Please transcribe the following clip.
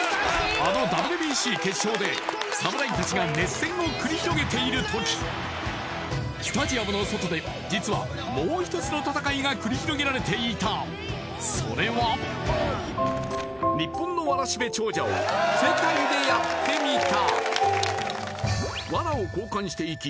あのＷＢＣ決勝で侍達が熱戦を繰り広げている時スタジアムの外で実はもう一つの戦いが繰り広げられていたそれは日本のわらを交換していき